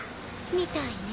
みたいね。